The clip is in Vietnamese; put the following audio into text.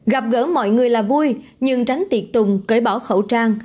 gặp gỡ mọi người là vui nhưng tránh tiệc tùng cởi bỏ khẩu trang